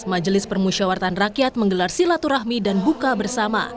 majelis permusyawaratan rakyat menggelar silaturahmi dan buka bersama